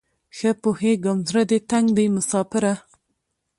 ښه پوهیږم زړه دې تنګ دی مساپره